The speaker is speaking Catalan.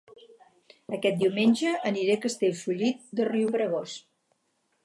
Aquest diumenge aniré a Castellfollit de Riubregós